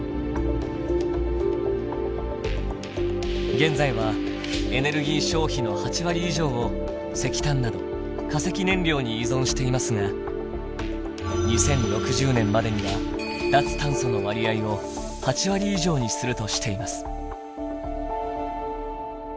現在はエネルギー消費の８割以上を石炭など化石燃料に依存していますが２０６０年までには「脱炭素」の割合を８割以上にするとしています。